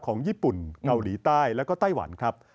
ของญี่ปุ่นเกาหลีใต้แล้วก็ไต้หวันครับ